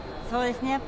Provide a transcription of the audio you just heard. そうですね。